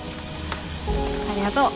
ありがとう。